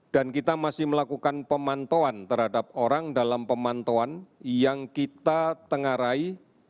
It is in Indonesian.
dan kita masih melakukan pemantauan terhadap orang dalam pemantauan yang kita tengarai